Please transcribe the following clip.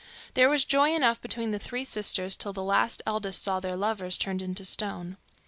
There was joy enough between the three sisters, till the two eldest saw their lovers turned into stone.